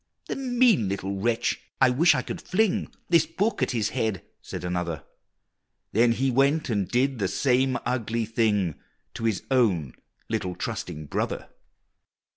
"The mean little wretch, I wish I could fling This book at his head!" said another; Then he went and did the same ugly thing To his own little trusting brother!